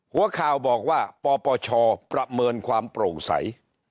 หัวข่าวบอกว่าปปชประเมินความโปร่งใส